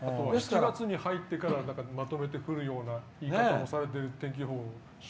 ７月に入ってからまとめて降るような言い方をされている天気予報が。